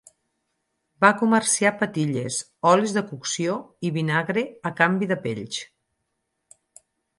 Va comerciar patilles, olis de cocció i vinagre a canvi de pells.